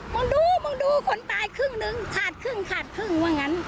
มึงดูมึงดูคนตายครึ่งนึงขาดครึ่งขาดครึ่งว่างั้น